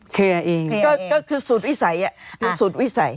ก็คือสูตรวิสัย